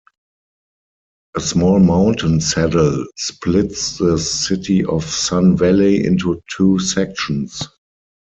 A small mountain saddle splits the city of Sun Valley into two sections.